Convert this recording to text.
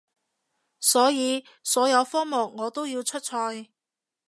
所以所有科目我都要出賽